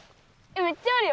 めっちゃあるよ。